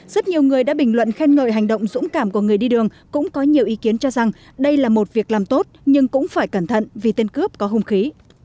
rất nhiều người đã bình luận khen ngợi hành động dũng cảm của người đi đường cũng có nhiều ý kiến cho rằng đây là một việc làm tốt nhưng cũng phải cẩn thận vì tên cướp có hung khí